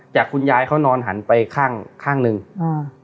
จากคุณยายเขานอนหันไปข้างข้างหนึ่งอ่า